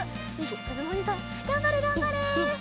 かずむおにいさんがんばれがんばれ！